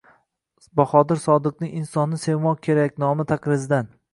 Bahodir Sodiqning “Insonni sevmoq kerak” nomli taqrizidan: